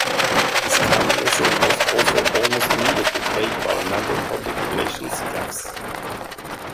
His candidacy was also almost immediately plagued by a number of public relations gaffes.